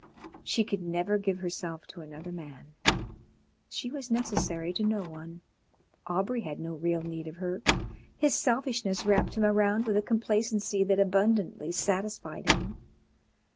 She could never give herself to another man. She was necessary to no one. Aubrey had no real need of her; his selfishness wrapped him around with a complacency that abundantly satisfied him.